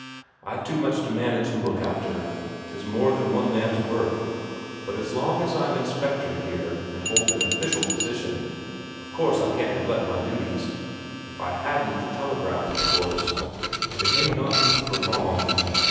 I've too much to manage and look after, 'tis more than one man's work. But as long as I'm Inspector here, and hold an official position, of course I can't neglect my duties. If I hadn't the telegraph, of course ... and it may not be for long...."